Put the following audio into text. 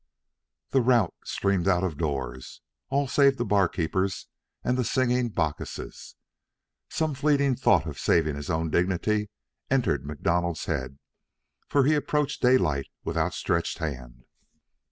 The rout streamed out of doors, all save the barkeepers and the singing Bacchuses. Some fleeting thought of saving his own dignity entered MacDonald's head, for he approached Daylight with outstretched hand.